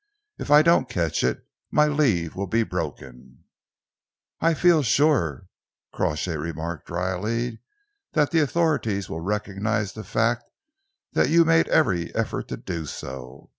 "If I don't catch it, my leave will be broken." "I feel sure," Crawshay remarked drily, "that the authorities will recognise the fact that you made every effort to do so.